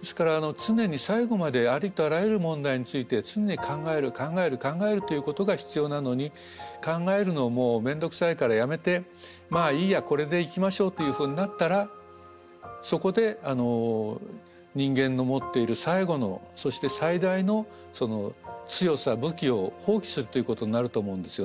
ですから常に最後までありとあらゆる問題について常に考える考える考えるということが必要なのに考えるのをもう面倒くさいからやめてまあいいやこれでいきましょうというふうになったらそこで人間の持っている最後のそして最大の強さ武器を放棄するということになると思うんですよね。